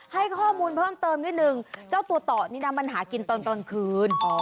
ให้ข้อมูลเพิ่มเติมนิดนึงเจ้าตัวต่อนี่นะมันหากินตอนกลางคืน